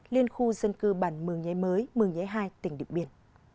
liên khu dân cư bản mường nhé mới mường nhé hai tỉnh điện biên